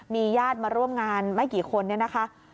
มีญาติมาร่วมงานไม่กี่คนเนี่ยนะคะ